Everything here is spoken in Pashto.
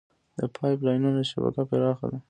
د پایپ لاینونو شبکه پراخه ده.